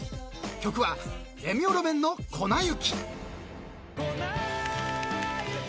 ［曲はレミオロメンの『粉雪』］